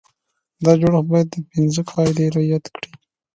دا جوړښت باید دا پنځه قاعدې رعایت کړي.